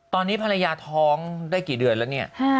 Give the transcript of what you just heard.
ตอนนี้ภรรยาท้องได้กี่เดือนแล้วเนี่ย